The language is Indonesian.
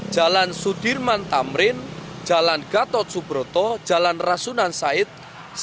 jalan sudirman tamrin jalan gatot subroto jalan rasunan said